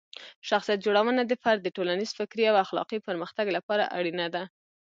شخصیت جوړونه د فرد د ټولنیز، فکري او اخلاقي پرمختګ لپاره اړینه ده.